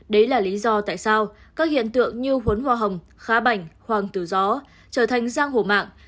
đấy là lý do tại sao các hiện tượng như huấn hoa hồng khá bảnh hoàng tử gió trở thành giang hổ mạng